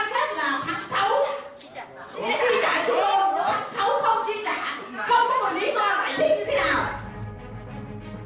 không có một lý do là phải trị như thế nào